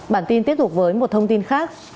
bản tin tiếp tục với một thông tin khác